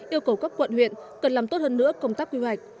yêu cầu các quận huyện cần làm tốt hơn nữa công tác quy hoạch